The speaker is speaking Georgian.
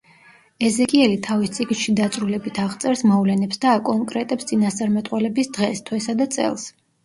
ეზეკიელი თავის წიგნში დაწვრილებით აღწერს მოვლენებს და აკონკრეტებს წინასწარმეტყველების დღეს, თვესა და წელს.